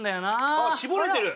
あっ絞れてる？